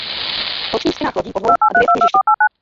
V bočních stěnách lodí po dvou a dvě v kněžišti.